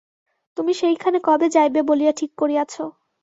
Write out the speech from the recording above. তুমি সেইখানে কবে যাইবে বলিয়া ঠিক করিয়াছো?